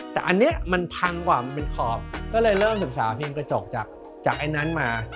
แต่อันนี้มันพังกว่ามันเป็นขอบก็เลยเริ่มศึกษาพิมพ์กระจกจากไอ้นั้นมา